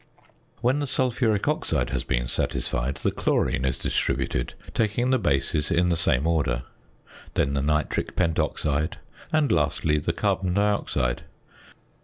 When the sulphuric oxide has been satisfied, the chlorine is distributed, taking the bases in the same order, then the nitric pentoxide, and lastly the carbon dioxide.